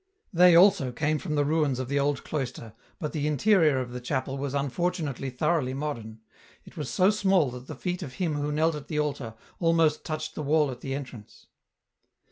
They also came from the ruins of the old cloister, but the interior of the chapel was unfor tunately thoroughly modern ; it was so small that the feet of him who knelt at the altar almost touched the wall at the entrance.